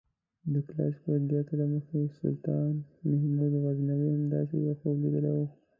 د کلاسیکو ادبیاتو له مخې سلطان محمود غزنوي هم داسې یو خوب لیدلی و.